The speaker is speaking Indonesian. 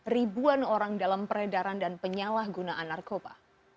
ribuan orang dalam peredaran dan penyalahgunaan narkoba